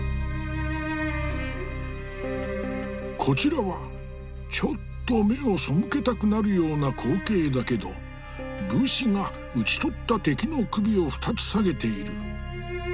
こちらはちょっと目をそむけたくなるような光景だけど武士が討ち取った敵の首を２つ下げている。